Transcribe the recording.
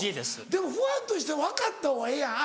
でもファンとしては分かったほうがええやん。